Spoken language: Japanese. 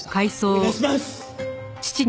お願いします！